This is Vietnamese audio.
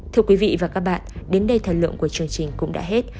thưa quý vị và các bạn đến đây thời lượng của chương trình cũng đã hết